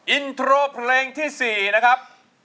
อินโทรเพลงที่๔นะครับ